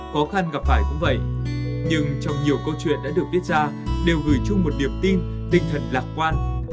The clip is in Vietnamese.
khó khăn gặp phải cũng vậy nhưng trong nhiều câu chuyện đã được viết ra đều gửi chung một niềm tin tinh thần lạc quan